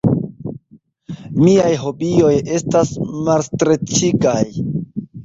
Miaj hobioj estas malstreĉigaj.